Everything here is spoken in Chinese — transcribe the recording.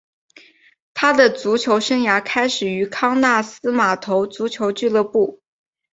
他的足球生涯开始于康纳斯码头足球俱乐部。